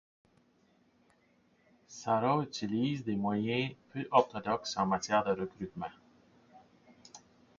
Sarah utilise des moyens peu orthodoxes en matière de recrutement.